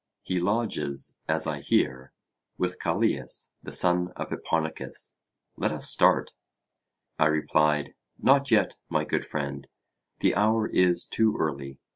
He lodges, as I hear, with Callias the son of Hipponicus: let us start. I replied: Not yet, my good friend; the hour is too early.